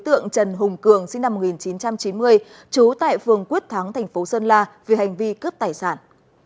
tượng trần hùng cường sinh năm một nghìn chín trăm chín mươi trú tại phường quyết thắng thành phố sơn la vì hành vi cướp tài sản